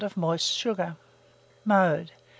of moist sugar. Mode.